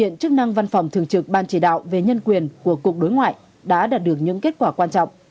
hiện chức năng văn phòng thường trực ban chỉ đạo về nhân quyền của cục đối ngoại đã đạt được những kết quả quan trọng